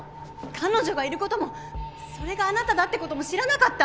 彼女がいることもそれがあなただってことも知らなかった。